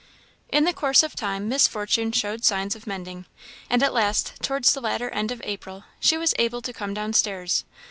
In the course of time Miss Fortune showed signs of mending; and at last, towards the latter end of April, she was able to come downstairs.